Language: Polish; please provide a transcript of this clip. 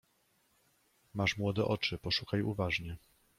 Masz młode oczy, poszukaj uważnie.